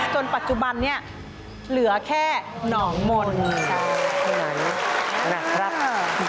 จนปัจจุบันเนี่ยเหลือแค่หนองมนต์